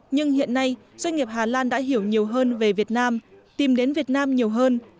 nhưng hiện nay doanh nghiệp hà lan đã hiểu nhiều hơn về việt nam tìm đến việt nam nhiều hơn